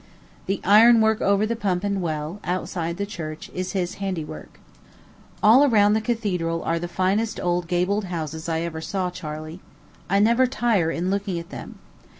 The iron work over the pump and well, outside the church, is his handiwork. All round the cathedral are the finest old gabled houses I ever saw, Charley. I never tire in looking at them.